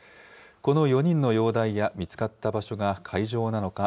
この４人の容体や見つかった場所が海上なのか